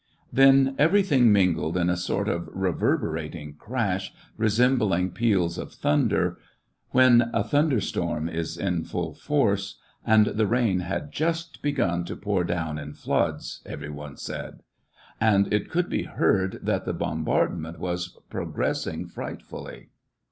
Then, everything mingled in a sort of reverberating crash, resem bling peals of thunder, when a thunder storm is in full force, and the rain has just begun to pour down in floods, every one said ; and it could be Jieard that the bombardment was progressing frightfully.